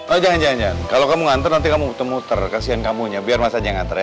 oh jangan jangan jangan kalau kamu nganter nanti kamu muter muter kasian kamu ya biar mas aja yang nganter ya